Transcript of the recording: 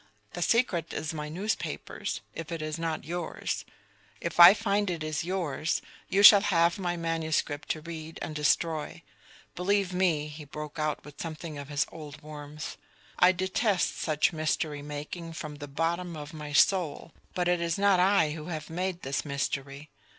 "The secret is my newspaper's, if it is not yours. If I find it is yours, you shall have my manuscript to read and destroy. Believe me," he broke out with something of his old warmth, "I detest such mystery making from the bottom of my soul, but it is not I who have made this mystery.